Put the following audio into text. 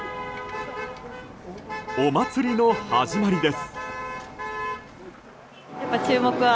お祭りの始まりです。